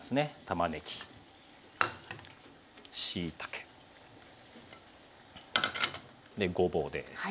たまねぎしいたけごぼうです。